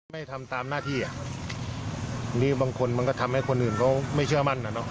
ไม่ทำตามหน้าที่บางคนมันก็ทำให้คนอื่นไม่เชื่อมั่น